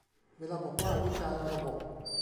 เวลาบอกว่าวิจารณ์ "ระบบ"